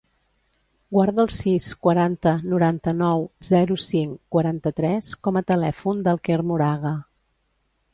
Guarda el sis, quaranta, noranta-nou, zero, cinc, quaranta-tres com a telèfon del Quer Moraga.